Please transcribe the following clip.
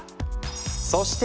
そして！